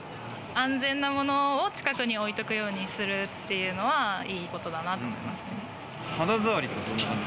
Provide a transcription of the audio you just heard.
安全なものを近くに置いておくようにするっていうのは、いいことだなと思いますね。